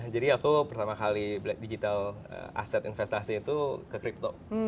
jadi aku pertama kali digital aset investasi itu ke crypto